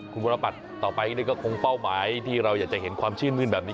คุณวรปัตรต่อไปนี่ก็คงเป้าหมายที่เราอยากจะเห็นความชื่นมื้นแบบนี้